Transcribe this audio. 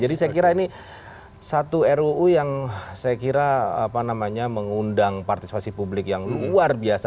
jadi saya kira ini satu ruu yang saya kira apa namanya mengundang partisipasi publik yang luar biasa